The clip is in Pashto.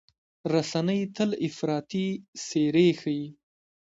رسنۍ تل افراطي څېرې ښيي.